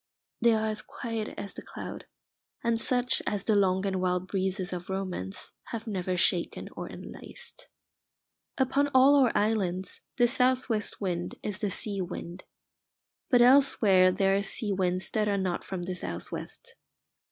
They are as quiet as the cloud, and such as the long and wild breezes of Romance have never shaken or enlaced. Upon all our islands this south west wind is the sea wind. But elsewhere there are sea winds that are not from the south west.